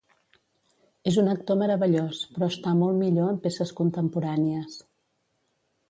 És un actor meravellós però està molt millor en peces contemporànies.